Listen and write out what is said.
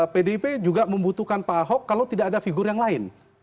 pdip juga membutuhkan pak ahok kalau tidak ada figur yang lain